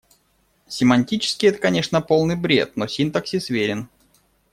Семантически это, конечно, полный бред, но синтаксис верен.